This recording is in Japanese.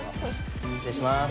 失礼します。